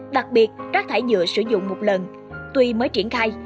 đặc biệt rác thải nhựa sử dụng một lần tuy mới triển khai